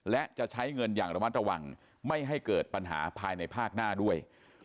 และจะใช้เงินอย่างระมัดระวังไม่ให้เกิดปัญหาภายในภาคหน้าด้วย